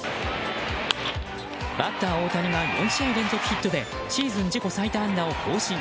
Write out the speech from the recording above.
バッター大谷が４試合連続ヒットでシーズン自己最多安打を更新！